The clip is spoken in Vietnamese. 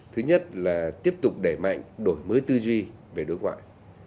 thứ nhất là tiếp tục đẩy mạnh đổi mới tư duy về đối ngoại